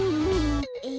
え？